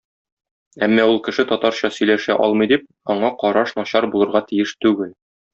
Әмма ул кеше татарча сөйләшә алмый дип, аңа караш начар булырга тиеш түгел.